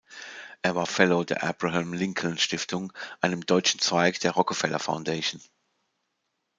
Er war Fellow der Abraham Lincoln–Stiftung, einem deutschen Zweig der Rockefeller Foundation.